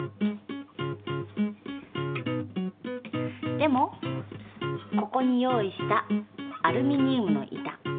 でもここに用意したアルミニウムの板。